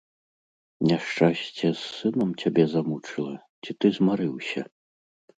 Няшчасце з сынам цябе замучыла, ці ты змарыўся?